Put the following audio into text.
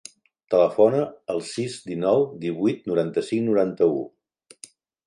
Telefona al sis, dinou, divuit, noranta-cinc, noranta-u.